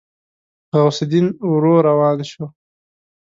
غوث الدين ورو روان شو.